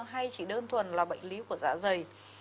hay chỉ đơn thuần là bệnh lý của dạ dày